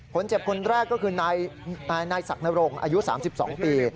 คนเจ็บคนแรกก็คือนายศักดรงอายุ๓๒ปี